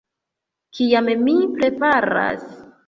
- Kiam mi preparas